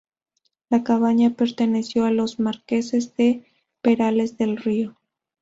La cabaña perteneció a los marqueses de Perales del Río.